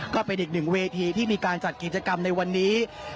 ก็เป็นอีกหนึ่งเวทีที่มีการจัดกิจกรรมในวันนี้